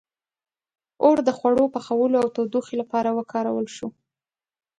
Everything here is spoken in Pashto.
• اور د خوړو پخولو او تودوخې لپاره وکارول شو.